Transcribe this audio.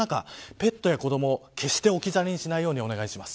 ペットや子ども決して置き去りにしないようにお願いします。